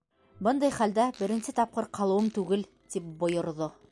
Бындай хәлдә беренсе тапҡыр ҡалыуым түгел! - тип бойорҙо.